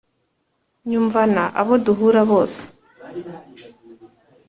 nyumvana abo duhura bose